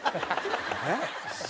えっ？